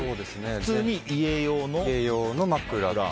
普通に家用のと？